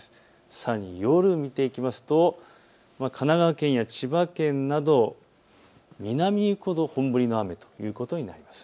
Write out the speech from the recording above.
さらに夜、見ていきますと神奈川県や千葉県など南に行くほど本降りの雨ということになりそうです。